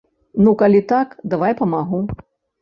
Ну, калі так, давай памагу.